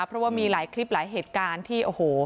เพราะว่ามีหลายคลิปหลายเหตุการณ์ที่โอ้โห